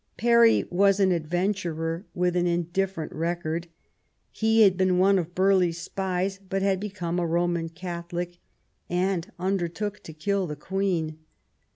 Parry was an adventurer, with an indifferent record. He had been one of Burghley's spies, but had become a Roman Catholic, and undertook to kill the Queen.